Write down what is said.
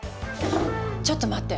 ちょっと待って！